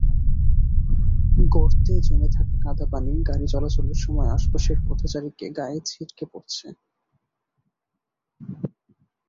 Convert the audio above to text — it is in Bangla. গর্তে জমে থাকা কাদাপানি গাড়ি চলাচলের সময় আশপাশের পথচারীদের গায়ে ছিটকে পড়ছে।